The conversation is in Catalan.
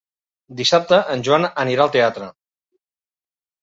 Dissabte en Joan anirà al teatre.